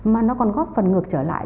mà nó còn góp phần ngược trở lại